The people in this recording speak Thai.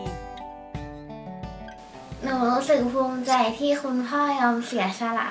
รู้สึกภูมิใจที่คุณพ่อยอมเสียสละ